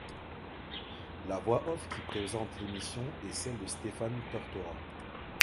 La voix off qui présente l'émission est celle de Stéphane Tortora.